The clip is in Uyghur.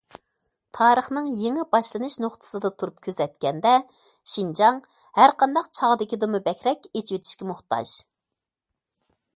تارىخنىڭ يېڭى باشلىنىش نۇقتىسىدا تۇرۇپ كۆزەتكەندە، شىنجاڭ ھەرقانداق چاغدىكىدىنمۇ بەكرەك ئېچىۋېتىشكە موھتاج.